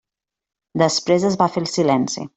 Després es va fer el silenci.